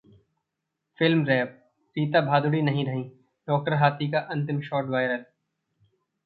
Film Wrap: Rita Bhaduri नहीं रहीं, डॉ. हाथी का अंतिम शॉट वायरल